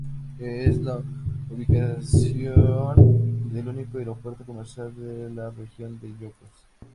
Es la ubicación del único aeropuerto comercial de la región de Ilocos.